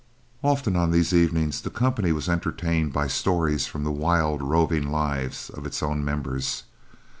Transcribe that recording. Often on these evenings, the company was entertained by stories from the wild, roving lives of its own members.